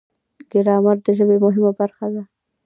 ګرامر د ژبې مهمه برخه ده.